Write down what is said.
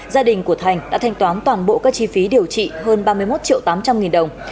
gia đình của thành đã thanh toán toàn bộ các chi phí điều trị hơn ba mươi một triệu tám trăm linh nghìn đồng